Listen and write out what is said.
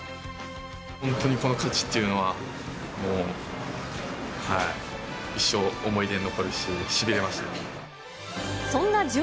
本当にこの勝ちっていうのは、もう、一生思い出に残るし、しびれました。